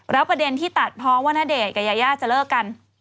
แล้วประเด็นที่ตัดเพราะว่าณเดชน์กับยายาจะเลิกกัน